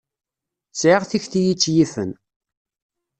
Sɛiɣ tikti i tt-yifen.